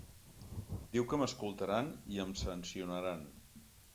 Diu que m'escoltaran i em sancionaran.